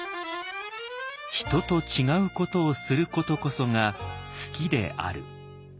「人と違うことをすることこそが数寄である」。